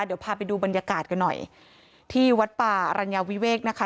เดี๋ยวพาไปดูบรรยากาศกันหน่อยที่วัดป่าอรัญญาวิเวกนะคะ